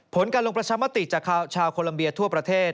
ผลการลงประชามติจากชาวโคลัมเบียทั่วประเทศ